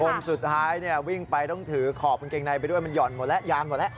คนสุดท้ายเนี่ยวิ่งไปต้องถือขอบกางเกงในไปด้วยมันหย่อนหมดแล้วยานหมดแล้ว